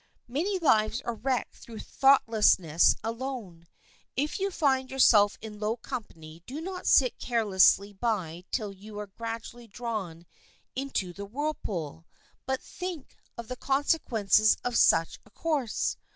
Many lives are wrecked through thoughtlessness alone. If you find yourself in low company do not sit carelessly by till you are gradually drawn into the whirlpool, but think of the consequences of such a course.